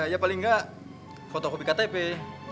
ya paling gak fotokopi katanya dong pak ya kan pak